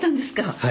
はい。